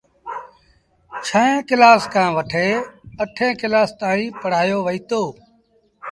ڇهين ڪلآس کآݩ وٽي اٺيݩ ڪلآس تائيٚݩ پڙهآيو وهيٚتو۔